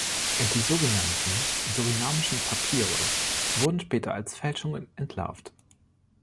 Die so genannten surinamischen Papiere wurden später als Fälschungen entlarvt.